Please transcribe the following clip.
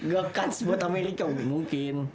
gak ada chance buat amerika mungkin